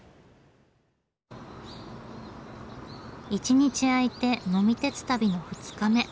一日空いて呑み鉄旅の二日目。